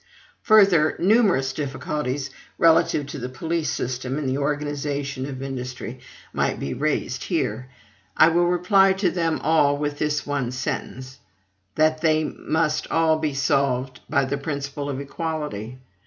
Further, numerous difficulties, relative to the police system and the organization of industry, might be raised here. I will reply to them all with this one sentence, that they must all be solved by the principle of equality.